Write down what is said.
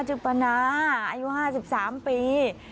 จึงปนาอายุ๕๓ปี